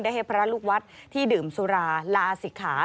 ให้พระลูกวัดที่ดื่มสุราลาศิกขา